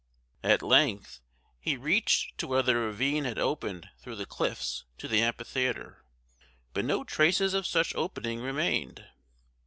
At length he reached to where the ravine had opened through the cliffs to the amphitheatre; but no traces of such opening remained.